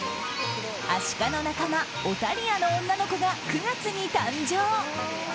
アシカの仲間オタリアの女の子が９月に誕生。